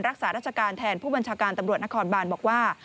รักษาราชการแทนผู้บัญชาการตำรวจนครบานบอกว่า